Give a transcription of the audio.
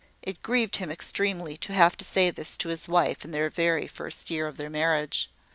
It grieved him extremely to have to say this to his wife in the very first year of their marriage.